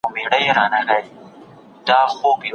طبيعي قوانين هيڅکله نه بدلېږي.